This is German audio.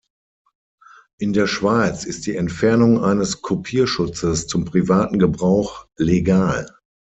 In der Schweiz ist die Entfernung eines Kopierschutzes zum privaten Gebrauch legal.